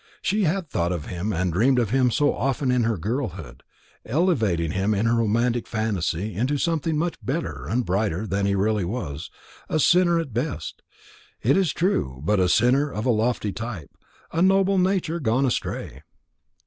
She had thought of him and dreamed of him so often in her girlhood, elevating him in her romantic fancy into something much better and brighter than he really was a sinner at best, it is true, but a sinner of a lofty type, a noble nature gone astray.